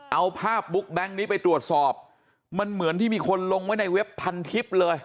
เอาภาพบุ๊กแก๊งนี้ไปตรวจสอบมันเหมือนที่มีคนลงไว้ในเว็บพันทิพย์เลย